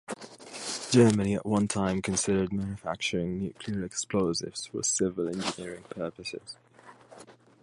Germany at one time considered manufacturing nuclear explosives for civil engineering purposes.